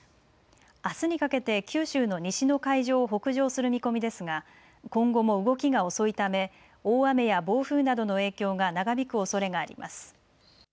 あすにかけて九州の西の海上を北上する見込みですが今後も動きが遅いため大雨や暴風などの影響が長引くおそれがあります。